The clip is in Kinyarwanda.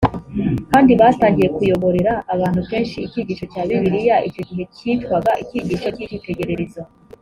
kandi batangiye kuyoborera abantu benshi icyigisho cya bibiliya icyo gihe cyitwaga icyigisho cy icyitegererezo